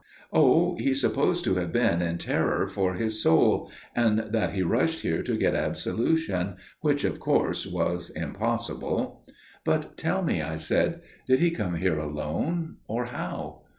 "'Oh! he's supposed to have been in terror for his soul, and that he rushed here to get absolution, which, of course, was impossible.' "'But tell me,' I said. 'Did he come here alone, or how?